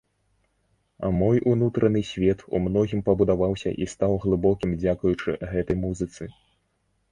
Мой унутраны свет ў многім пабудаваўся і стаў глыбокім дзякуючы гэтай музыцы.